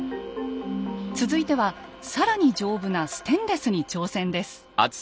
続いては更に丈夫なステンレスに挑戦です。